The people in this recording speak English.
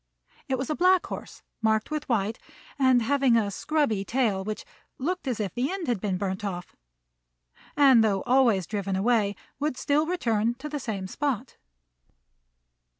It was a black horse marked with white, and having a scrubby tail, which looked as if the end had been burnt off; and, though always driven away, would still return to the same spot.